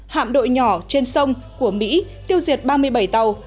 hạm đội nhỏ trên sông của mỹ tiêu diệt ba mươi bảy tàu